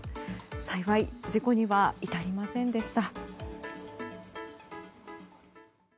幸い事故には至りませんでした。